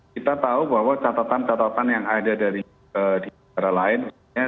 kita tahu bahwa catatan catatan yang ada di negara lain